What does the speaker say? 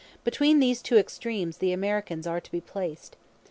Between these two extremes the Americans are to be placed.